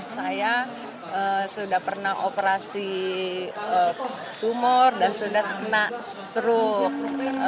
saya sudah pernah operasi tumor dan sudah kena struk